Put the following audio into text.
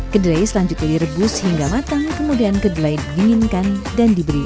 kedelai selanjutnya direbus hingga matang kemudian kedelai dinginkan dan diberi